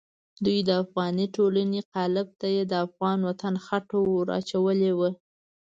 دوی د افغاني ټولنې قالب ته یې د افغان وطن خټه ور اچولې وه.